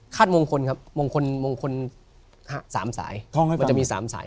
ขาดมงคลครับมงคลห้าสามสาย